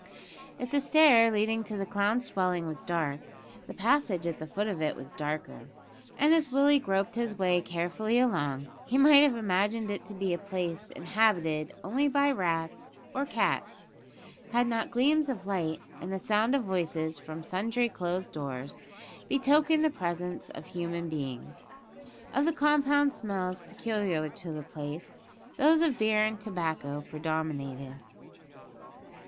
If the stair leading to the clown's dwelling was dark, the passage at the foot of it was darker; and as Willie groped his way carefully along, he might have imagined it to be a place inhabited only by rats or cats, had not gleams of light, and the sound of voices from sundry closed doors, betokened the presence of human beings. Of the compound smells peculiar to the place, those of beer and tobacco predominated.